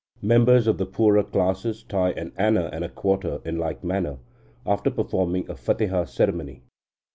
Members of the poorer classes tie an anna and a quarter in like manner, after performing a fateha ceremony.